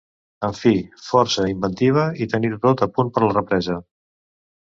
En fi: força, inventiva i a tenir-ho tot a punt per la represa.